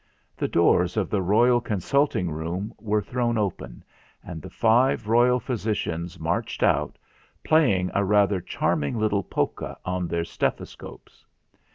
The doors of the royal consulting room were thrown open and the five royal physicians marched out, playing a rather charming little polka on their stethoscopes.